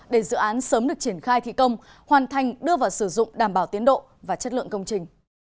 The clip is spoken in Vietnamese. để dự án sớm được triển khai thi công hoàn thành đưa vào sử dụng đảm bảo tiến độ và chất lượng công trình